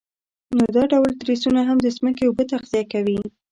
نو دا ډول تریسونه هم د ځمکې اوبه تغذیه کوي.